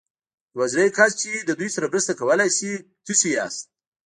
يوازېنی کس چې له دوی سره مرسته کولای شي تاسې ياست.